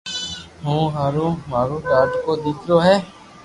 ھون مارو ما رو لاڌڪو ديڪرو ھون